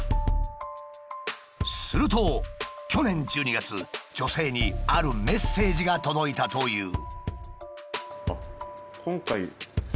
すると去年１２月女性にあるメッセージが届いたという。